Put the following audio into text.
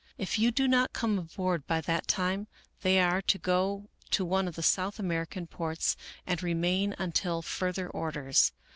If you do not come aboard by that time, they are to go to one of the South American ports and re main until further orders.